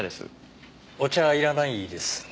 お茶いらないですね。